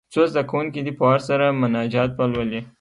څو زده کوونکي دې په وار سره مناجات ولولي.